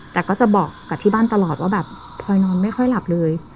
แต่ก็จะบอกกับที่บ้านตลอดว่าแบบพลอยนอนไม่ค่อยหลับเลย